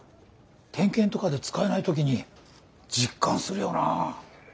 点検とかで使えない時に実感するよなぁ。